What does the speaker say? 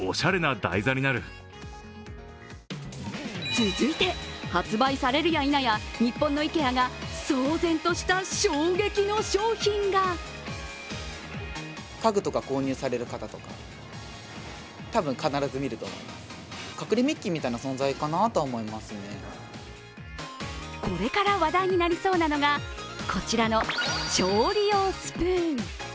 続いて、発売されるやいなや日本のＩＫＥＡが騒然とした衝撃の商品がこれから話題になりそうなのが、こちらの調理用スプーン。